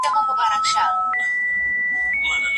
کله باید له خپلو وېرو تېر سو او نوې لاره وټاکو؟